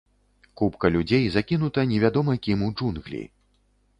Купка людзей закінута невядома кім у джунглі.